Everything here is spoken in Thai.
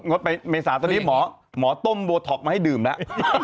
ดไปเมษาตอนนี้หมอต้มโบท็อกมาให้ดื่มแล้ว